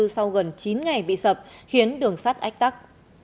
sau gần chín ngày bị sập khiến đường sắt ách tắc